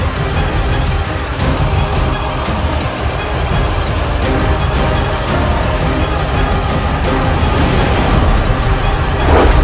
kau akan menangkapnya